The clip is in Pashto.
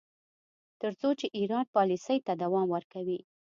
تر څو چې ایران پالیسۍ ته دوام ورکوي.